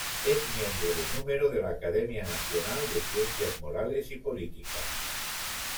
Es miembro de número de la Academia Nacional de Ciencias Morales y Políticas.